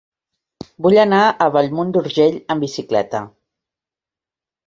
Vull anar a Bellmunt d'Urgell amb bicicleta.